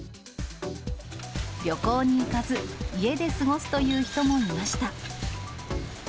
旅行に行かず、家で過ごすという人もいました。